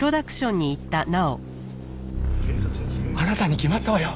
あなたに決まったわよ。